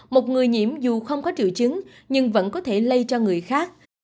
một người nhiễm dù không có triệu chứng nhưng vẫn có thể lây cho người khác